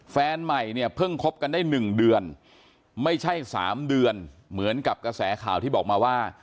แฟนใหม่เนี่ยเพิ่งคบกันได้๑เดือนไม่ใช่๓เดือนเหมือนกับกระแสข่าวที่บอกมาว่า